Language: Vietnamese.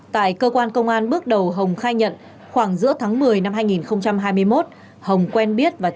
tại cơ quan công an bước đầu hồng khai nhận khoảng giữa tháng một mươi năm hai nghìn hai mươi một